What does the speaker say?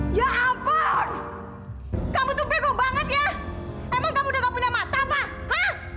ya ampun kamu tuh bego banget ya emang kamu udah punya mata pak